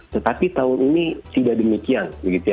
tetapi tahun ini tidak demikian